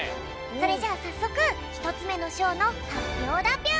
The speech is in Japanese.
それじゃあさっそくひとつめのしょうのはっぴょうだぴょん！